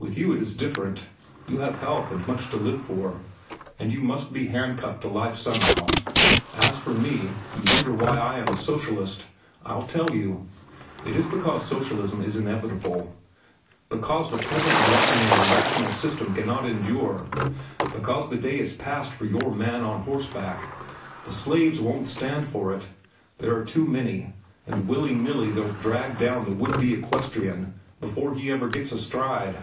"With you it is different. You have health and much to live for, and you must be handcuffed to life somehow. As for me, you wonder why I am a socialist. I'll tell you. It is because Socialism is inevitable; because the present rotten and irrational system cannot endure; because the day is past for your man on horseback. The slaves won't stand for it. They are too many, and willy nilly they'll drag down the would be equestrian before ever he gets astride.